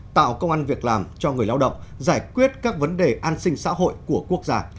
tạo công an việc làm cho người lao động giải quyết các vấn đề an sinh xã hội của quốc gia